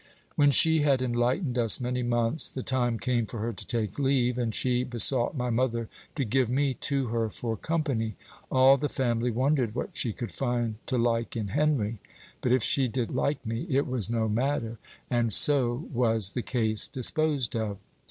When she had enlightened us many months, the time came for her to take leave, and she besought my mother to give me to her for company. All the family wondered what she could find to like in Henry; but if she did like me, it was no matter, and so was the case disposed of.